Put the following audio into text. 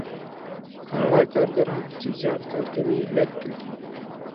هغه کارګران چي زیات کار کوي لږ ګټي.